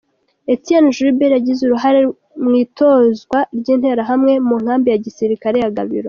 Etienne Joubert yagize uruhare mw’itozwa ry’Interahamwe mu nkambi ya gisirikare ya Gabiro.